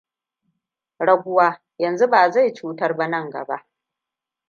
Raguwa yanzu ba zai cutar ba nan gaba.